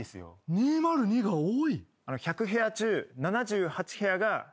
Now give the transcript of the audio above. ２０２が多い？